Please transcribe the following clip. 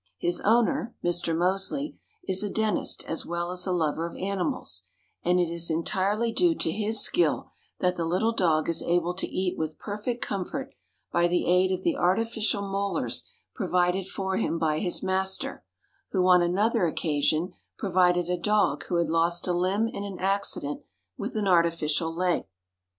His owner, Mr. Moseley, is a dentist as well as a lover of animals, and it is entirely due to his skill that the little dog is able to eat with perfect comfort by the aid of the artificial molars provided for him by his master, who, on another occasion, provided a dog who had lost a limb in an accident with an artificial leg.